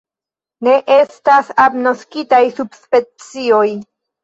Ne estas agnoskitaj subspecioj.